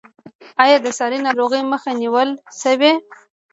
آیا د ساري ناروغیو مخه نیول شوې؟